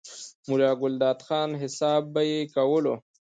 ملا ګلداد خان، حساب به ئې کولو،